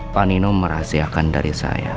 panino merahasiakan dari saya